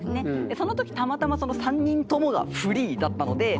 その時たまたまその３人ともがフリーだったのでなんか